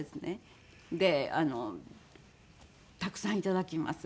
であのたくさんいただきます。